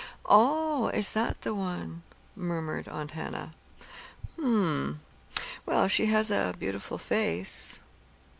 "Oh, is that the one?" murmured Aunt Hannah. "Hm m; well, she has a beautiful face."